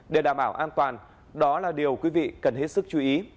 để đảm bảo an toàn đó là điều quý vị cần hết sức chú ý